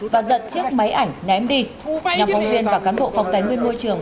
và giật chiếc máy ảnh ném đi nhóm phóng viên và cán bộ phòng tài nguyên môi trường